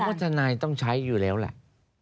เพราะทนายต้องใช้อยู่แล้วแหละ